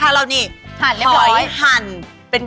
หลอยหั่น